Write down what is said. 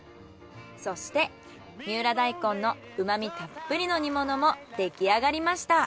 そして三浦大根の旨味たっぷりの煮物も出来上がりました。